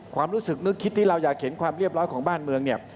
ความรู้สึกนึกคิดที่เราอยากเห็นความเรียบร้อยของบ้านเมืองเนี่ย